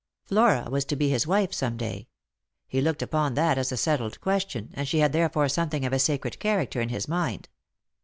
Flora was to be his wife som ■ day ; he looked upon that as a settled question, and she had therefore something of a sacred character in his mind.